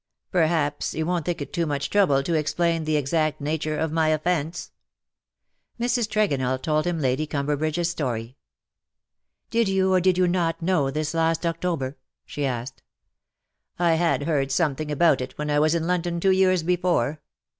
" Perhaps, you won't think it too much trouble to explain the exact nature of my offence ?'' Mrs. Tregonell told him Lady Cumberbridge''s story. "Did jou, or did you not, know this last October ?" she asked. " I had heard something about it when I was in London two years before."